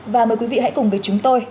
và mời quý vị hãy cùng với chúng tôi